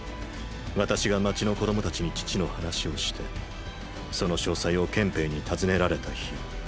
私が街の子供たちに父の話をしてその詳細を憲兵に尋ねられた日。